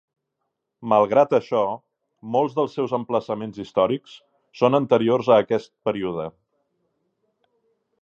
Malgrat això, molts dels seus emplaçaments històrics són anteriors a aquest període.